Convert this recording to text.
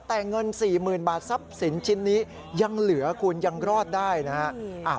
แต่เงิน๔๐๐๐บาททรัพย์สินชิ้นนี้ยังเหลือคุณยังรอดได้นะครับ